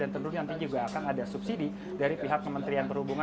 dan tentunya nanti juga akan ada subsidi dari pihak pemerintah yang berhubungan